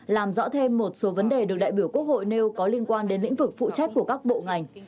làm rõ thêm một số vấn đề được đại biểu quốc hội nêu có liên quan đến lĩnh vực phụ trách của các bộ ngành